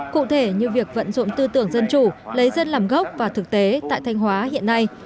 cụ thể như việc vận dụng tư tưởng dân chủ lấy dân làm gốc và thực tế tại thanh hóa hiện nay